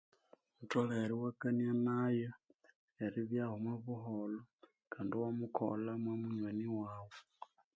Wutholere iwakania nayo eribyaho omwa buholho kandi iwamukolha mwa munyoni wawu.